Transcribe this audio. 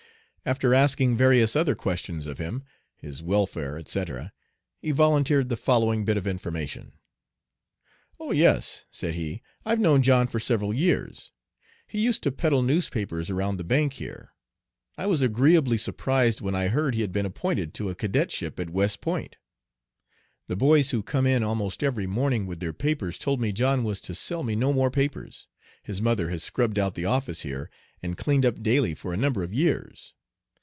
After asking various other questions of him, his welfare, etc., he volunteered the following bit of information: "Oh! yes," said he, "I've known John for several years. He used to peddle newspapers around the bank here. I was agreeably surprised when I heard he had been appointed to a cadetship at West Point. The boys who come in almost every morning with their papers told me John was to sell me no more papers. His mother has scrubbed out the office here, and cleaned up daily for a number of years.